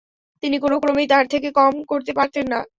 তিনি কোনক্রমেই তার থেকে কম করতে পারতেন না।